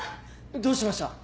どうしました？